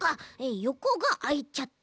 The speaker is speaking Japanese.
よこがあいちゃって。